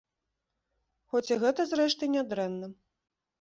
Хоць і гэта, зрэшты, не дрэнна.